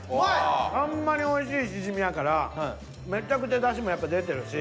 ほんまにおいしいシジミやからめちゃくちゃだしもやっぱ出てるし。